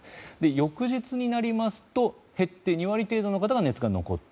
翌日になりますと減って２割程度の人が熱が残って。